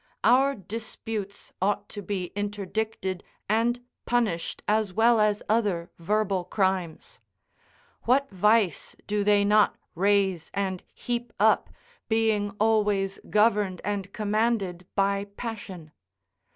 Our disputes ought to be interdicted and punished as well as other verbal crimes: what vice do they not raise and heap up, being always governed and commanded by passion?